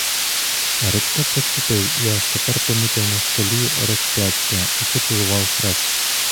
Грицько приступив і аж тепер помітив на столі розп'яття і поцілував хрест.